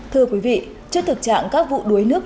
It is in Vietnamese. thưa quý vị trước thực trạng các vụ đuối nước